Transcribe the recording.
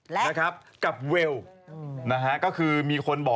และไม่มีรูปโรนาโด